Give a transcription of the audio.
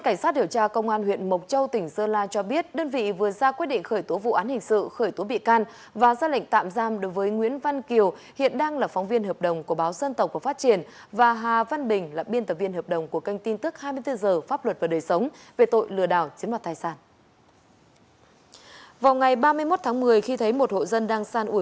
cảnh sát hiểu tra công an huyện mộc châu tỉnh sơn la cho biết đơn vị vừa ra quyết định khởi tố vụ án hình sự khởi tố bị can và ra lệnh tạm giam đối với nguyễn văn kiều hiện đang là phóng viên hợp đồng của báo dân tộc và phát triển và hà văn bình là biên tập viên hợp đồng của kênh tin tức hai mươi bốn h pháp luật và đời sống về tội lừa đảo chiếm loạt thai sản